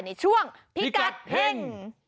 ในช่วงพิกัดเฮ่ง